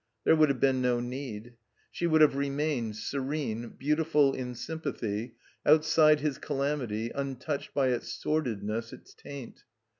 There would have been no need. She would have remained, serene, beautiful in sympathy, outside his calamity, untouched by its sordidness, its taint.